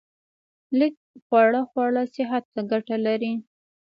لږ خواړه خوړل صحت ته ګټه لري